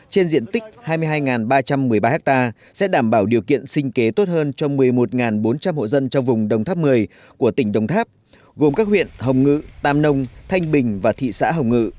trên diện tích hai mươi hai ba trăm một mươi ba ha sẽ đảm bảo điều kiện sinh kế tốt hơn cho một mươi một bốn trăm linh hộ dân trong vùng đồng tháp một mươi của tỉnh đồng tháp gồm các huyện hồng ngự tam nông thanh bình và thị xã hồng ngự